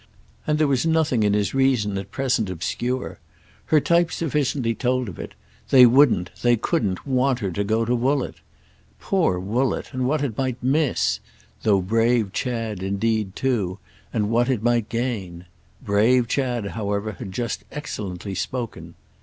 And there was nothing in his reason at present obscure. Her type sufficiently told of it—they wouldn't, they couldn't, want her to go to Woollett. Poor Woollett, and what it might miss!—though brave Chad indeed too, and what it might gain! Brave Chad however had just excellently spoken.